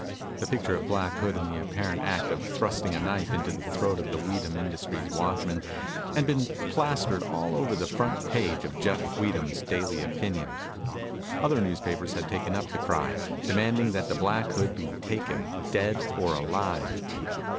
The picture of Black Hood in the apparent act of thrusting a knife into the throat of the Weedham Industries watchman, had been plastered all over the front page of Jeff Weedham's Daily Opinion. Other newspapers had taken up the cry, demanding that the Black Hood be taken dead or alive.